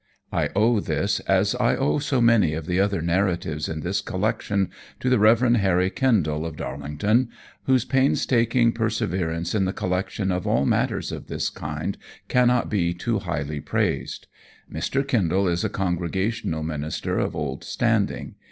I owe this, as I owe so many of the other narratives in this collection, to the Rev. Harry Kendall, of Darlington, whose painstaking perseverance in the collection of all matters of this kind cannot be too highly praised. Mr. Kendall is a Congregational minister of old standing.